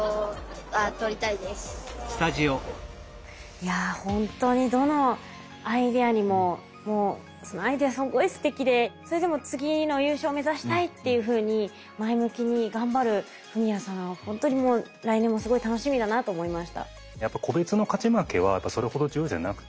いや本当にどのアイデアにももうそのアイデアすごいすてきでそれでも次の優勝目指したいっていうふうに前向きに頑張る史哉さんは本当にもう来年もすごい楽しみだなと思いました。